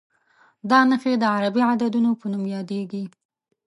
دا نښې د عربي عددونو په نوم یادېږي.